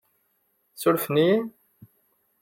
Surfen-iyi?